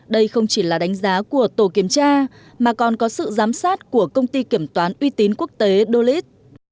đây không chỉ là đánh giá của tổ kiểm tra mà còn có sự giám sát của công ty kiểm toán uy tín quốc tế dolit